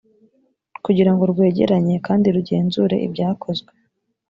kugira ngo rwegeranye kandi rugenzure ibyakozwe